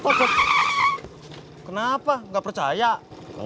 mas tuntut allah kita dari simpanan